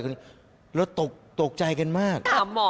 แล้วตกใจกันมาก